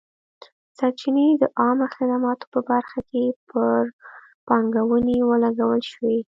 سرچینې د عامه خدماتو په برخه کې پر پانګونې ولګول شوې.